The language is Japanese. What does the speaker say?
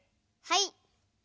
はい。